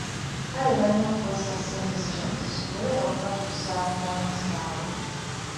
Kale balina okukozesa ssente zino zisobole okubatuusa ku balonzi baabwe.